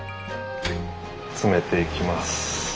詰めていきます。